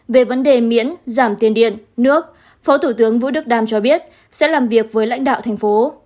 về vấn đề miễn giảm tiền điện nước phó thủ tướng vũ đức đam cho biết sẽ làm việc với lãnh đạo thành phố